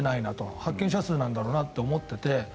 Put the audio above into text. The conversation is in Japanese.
発見者数なんだろうなと思っていて。